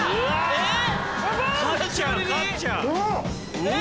えっ！